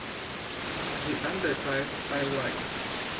The underparts are white.